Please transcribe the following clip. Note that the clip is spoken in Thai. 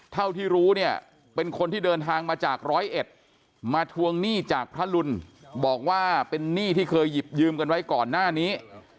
เท่าที่รู้เนี่ยเป็นคนที่เดินทางมาจากร้อยเอ็ดมาทวงหนี้จากพระรุนบอกว่าเป็นหนี้ที่เคยหยิบยืมกันไว้ก่อนหน้านี้